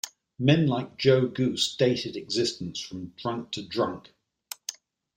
Men like Joe Goose dated existence from drunk to drunk.